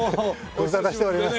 ご無沙汰しております。